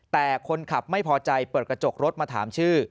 แต่คนขับไม่พอใจเปิดกระจกรถมาถามชื่อ